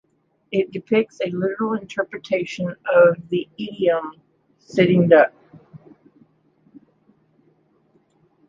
It depicts a literal interpretation of the idiom "sitting duck".